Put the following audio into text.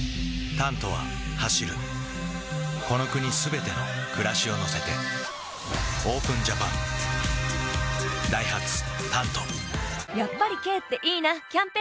「タント」は走るこの国すべての暮らしを乗せてＯＰＥＮＪＡＰＡＮダイハツ「タント」やっぱり軽っていいなキャンペーン